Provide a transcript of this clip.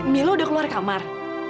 milo udah keluar kamar